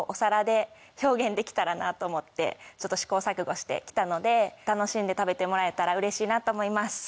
試行錯誤して来たので楽しんで食べてもらえたらうれしいなと思います。